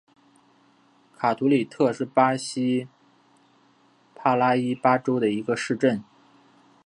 卡图里特是巴西帕拉伊巴州的一个市镇。